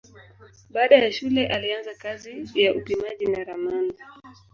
Baada ya shule alianza kazi ya upimaji na ramani.